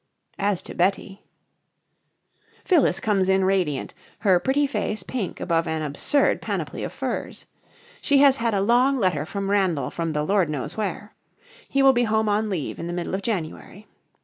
As to Betty Phyllis comes in radiant, her pretty face pink above an absurd panoply of furs. She has had a long letter from Randall from the Lord knows where. He will be home on leave in the middle of January.